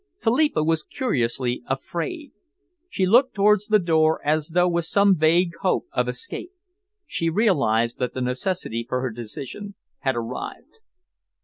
Philippa was curiously afraid. She looked towards the door as though with some vague hope of escape. She realised that the necessity for decision had arrived.